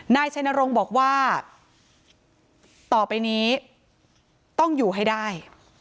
นายชัยนรงค์บอกว่าต่อไปนี้ต้องอยู่ให้ได้